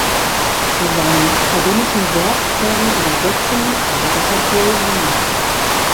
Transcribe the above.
Zu seinem akademischen Werk zählen Übersetzungen arabischer Poesie.